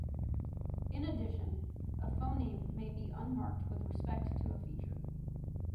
In addition, a phoneme may be unmarked with respect to a feature.